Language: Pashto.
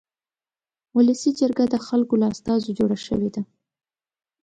ولسي جرګه د خلکو له استازو جوړه شوې ده.